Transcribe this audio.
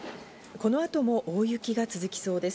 この後も大雪が続きそうです。